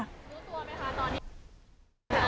รู้ตัวไหมคะตอนนี้